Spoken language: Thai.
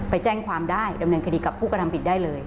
ไปแจ้งความได้ดำเนินคดีกับผู้กระทำผิดได้เลย